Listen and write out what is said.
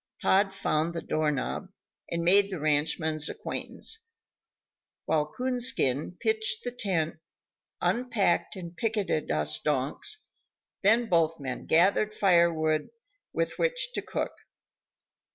Pod found the doorknob, and made the ranchman's acquaintance, while Coonskin pitched the tent, unpacked and picketed us donks, then both men gathered fire wood with which to cook.